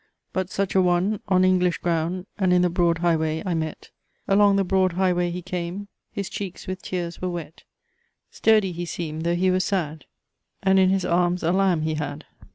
But such a one, on English ground, And in the broad highway, I met; Along the broad highway he came, His cheeks with tears were wet Sturdy he seemed, though he was sad; And in his arms a lamb he had."